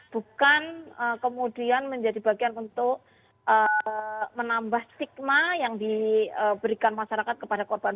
bukan kemudian menjadi bagian untuk menambah stigma yang diberikan masyarakat kepada korban